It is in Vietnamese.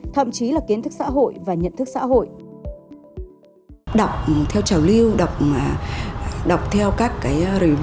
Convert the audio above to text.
thậm chí là kiến thức xã hội và nhận thức xã hội